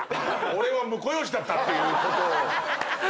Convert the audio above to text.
俺は婿養子だったってことを。